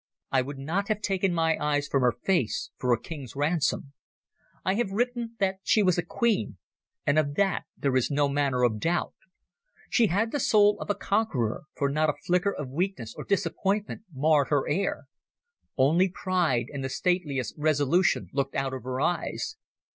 I would not have taken my eyes from her face for a king's ransom. I have written that she was a queen, and of that there is no manner of doubt. She had the soul of a conqueror, for not a flicker of weakness or disappointment marred her air. Only pride and the stateliest resolution looked out of her eyes.